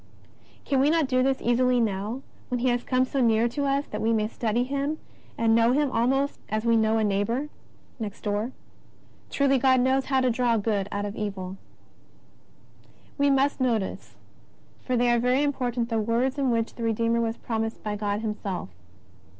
Can we not do this easily now, when He has come so near to us that we may study Him and know Him almost as we know a neigh* 29 30 JESUS OF NAZARETH. bour of next door? Truly God knows how to draw good out of evil ! We must notice, for they are very important, the words in which the Redeemer was promised by God Himself.